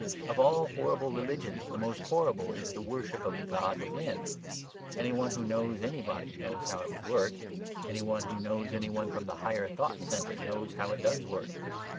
Of all horrible religions the most horrible is the worship of the god within. Any one who knows any body knows how it would work; any one who knows any one from the Higher Thought Centre knows how it does work.